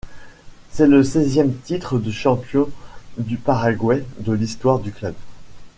C'est le seizième titre de champion du Paraguay de l’histoire du club.